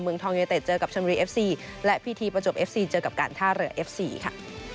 เมืองทองยูเต็ดเจอกับชนบุรีเอฟซีและพิธีประจวบเอฟซีเจอกับการท่าเรือเอฟซีค่ะ